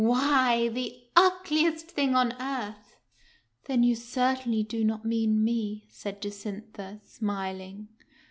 " Why, the ugliest thing on earth." "Then you certainly do not mean me," said Jacintha, smiling.